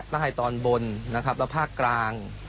ใต้ตอนบนนะครับและภาคกลาง